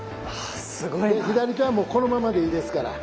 で左手はもうこのままでいいですから。